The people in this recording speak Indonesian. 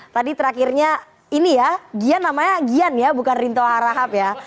tadi terakhirnya ini ya gian namanya gian ya bukan rinto harahap ya